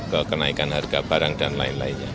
kekenaikan harga barang dan lain lainnya